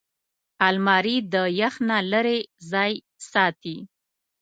الماري د یخ نه لېرې ځای ساتي